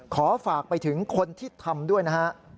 ขอฝากไปถึงคนที่ทำด้วยนะฮะ